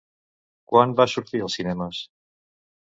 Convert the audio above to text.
Quan va sortir als cinemes?